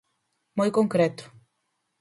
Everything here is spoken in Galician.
Moi concreto.